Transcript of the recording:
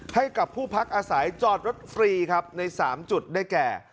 ให้กับผู้พักอาศัยจอดรถฟรีครับใน๓จุดได้แก่